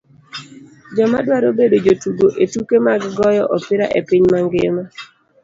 Joma dwaro bedo jotugo e tuke mag goyo opira e piny mangima